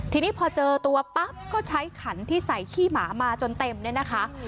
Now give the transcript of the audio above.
ทีนี้พอเจอตัวปั๊บก็ใช้ขันที่ใส่ขี้หมามาจนเต็มเนี่ยนะคะ